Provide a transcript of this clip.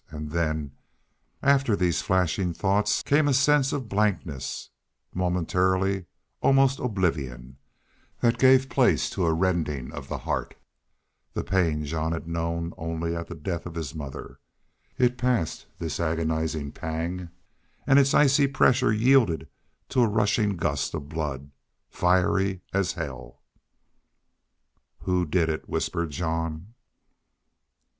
And then, after these flashing thoughts, came a sense of blankness, momentarily almost oblivion, that gave place to a rending of the heart. That pain Jean had known only at the death of his mother. It passed, this agonizing pang, and its icy pressure yielded to a rushing gust of blood, fiery as hell. "Who did it?" whispered Jean.